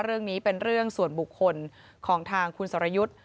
เรื่องนี้เป็นเรื่องส่วนบุคคลของทางคุณสรยุทธ์